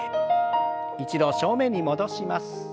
一度正面に戻します。